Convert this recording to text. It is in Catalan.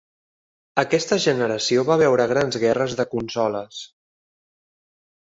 Aquesta generació va veure grans guerres de consoles.